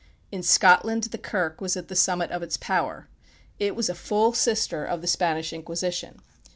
In Scotland the "Kirk" was at the summit of its power. It was a full sister of the Spanish Inquisition.